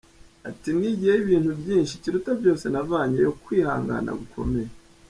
Ati “Nigiyeyo ibintu byinshi, ikiruta byose navanyeyo kwihangana gukomeye.